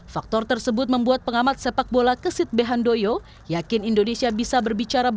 faktor tersebut membuat pengamat sepak bola kesit behandoyo yakin indonesia bisa berbicara